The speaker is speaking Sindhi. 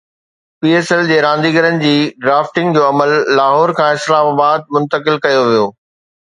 پي ايس ايل جي رانديگرن جي ڊرافٽنگ جو عمل لاهور کان اسلام آباد منتقل ڪيو ويو